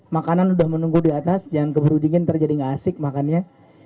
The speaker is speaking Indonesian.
makanan udah menunggu di atas jangan keburu dingin nanti jadi nggak asik makannya